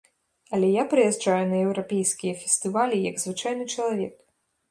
Але я прыязджаю на еўрапейскія фестывалі як звычайны чалавек.